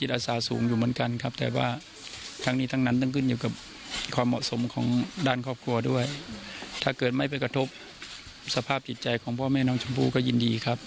ถ้าเกิดไม่ไปกระทบสภาพจิตใจของพ่อแม่น้องชมพู่ก็ยินดีครับ